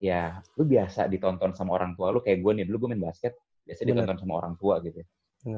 ya lu biasa ditonton sama orang tua lu kayak gue nih dulu gue main basket biasa ditonton sama orang tua gitu ya